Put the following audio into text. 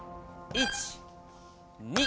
１２。